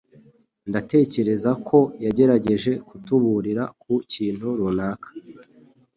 Ndatekereza ko yagerageje kutuburira ku kintu runaka.